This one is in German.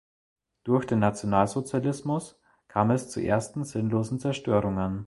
Durch den Nationalsozialismus kam es zu ersten sinnlosen Zerstörungen.